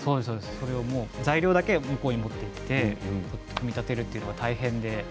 材料だけ向こうに持っていって組み立てるというのが大変で。